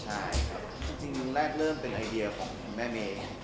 ใช่ครับจริงแรกเริ่มเป็นไอเดียของแม่เมย์